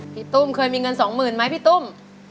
พี่ตุ้มเคยมีเงินสองหมื่นไหมพี่ตุ้ม